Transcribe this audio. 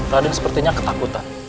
raden sepertinya ketakutan